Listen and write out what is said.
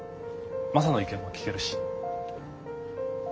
マサの意見も聞けるし。